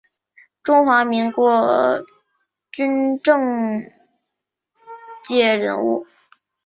中华民国军政界人物。